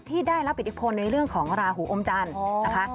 ที่ได้รับอิทธิพลในเรื่องของราหูอมจันทร์นะคะ